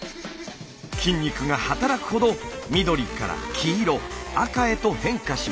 筋肉がはたらくほど緑から黄色赤へと変化します。